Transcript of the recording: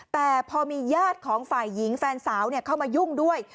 แต่พอมีญาติของฝ่ายหญิงแฟนสาวเข้ามายุ่งด้วย